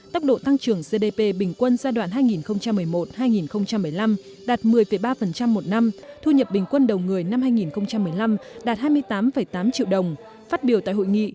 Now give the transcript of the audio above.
tốc độ tăng trưởng gdp bình quân giai đoạn hai nghìn một mươi một hai nghìn một mươi năm đạt một mươi ba một năm thu nhập bình quân đầu người năm hai nghìn một mươi năm đạt hai mươi tám tám triệu đồng